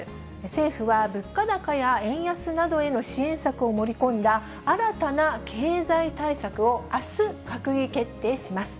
政府は物価高や円安などへの支援策を盛り込んだ、新たな経済対策をあす閣議決定します。